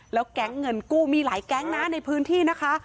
แล้วแก๊งเงินกู้มีหลายแก๊งนะในพื้นที่นะคะ